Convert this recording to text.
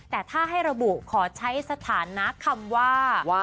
แต่ถ้าให้ระบุขอใช้สถานะคำว่า